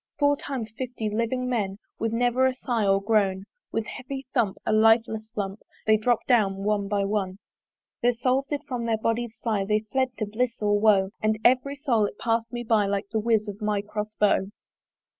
Four times fifty living men, With never a sigh or groan, With heavy thump, a lifeless lump They dropp'd down one by one. Their souls did from their bodies fly, They fled to bliss or woe; And every soul it pass'd me by, Like the whiz of my Cross bow.